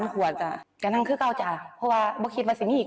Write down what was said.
ความเข้ามายืนแต่ถ้าถ่ายรูปมันไม่ออก